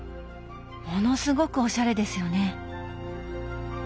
ものすごくおしゃれですよね！